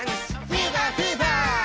フィーバーフィーバー。